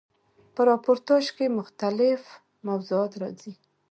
په راپورتاژ کښي مختلیف موضوعات راځي.